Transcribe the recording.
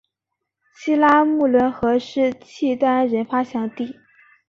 西拉木伦河是契丹人发祥地。